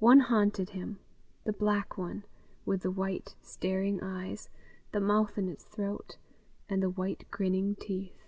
One haunted him, the black one, with the white, staring eyes, the mouth in its throat, and the white grinning teeth.